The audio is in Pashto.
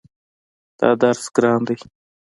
دا درس ګران ده